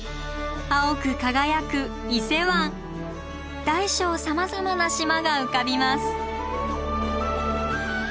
青く輝く伊勢湾大小さまざまな島が浮かびます。